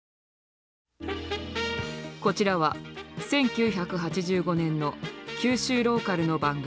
こちらは１９８５年の九州ローカルの番組。